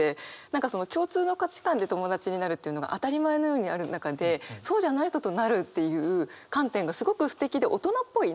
何かその共通の価値観で友達になるというのが当たり前のようにある中でそうじゃない人となるっていう観点がすごくすてきで大人っぽい。